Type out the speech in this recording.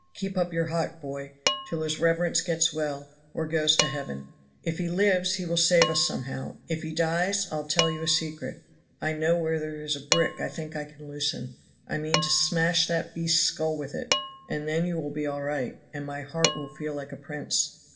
"Keep up your heart, boy, till his reverence gets well, or goes to heaven. If he lives he will save us somehow. If he dies I'll tell you a secret. I know where there is a brick I think I can loosen. I mean to smash that beast's skull with it, and then you will be all right, and my heart will feel like a prince."